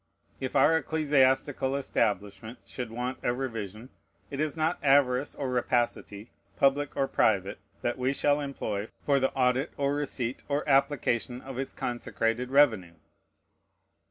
If our ecclesiastical establishment should want a revision, it is not avarice or rapacity, public or private, that we shall employ for the audit or receipt or application of its consecrated revenue.